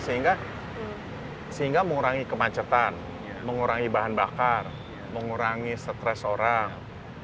sehingga sehingga mengurangi kemacetan mengurangi bahan bakar mengurangi stres orang